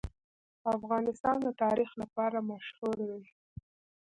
افغانستان د تاریخ لپاره مشهور دی.